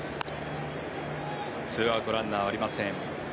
２アウトランナーはありません。